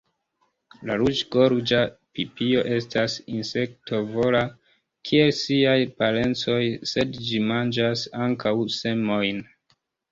La Ruĝgorĝa pipio estas insektovora, kiel siaj parencoj, sed ĝi manĝas ankaŭ semojn.